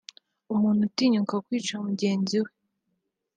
umuntu utinyuka kwica mugenzi we